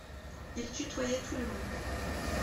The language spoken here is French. Il tutoyait tout le monde.